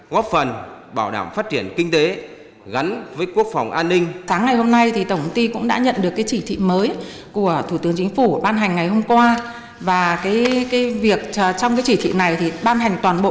góp phần bảo đảm phát triển kinh tế gắn với quốc phòng an ninh